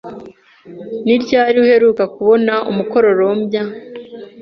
Ni ryari uheruka kubona umukororomya ?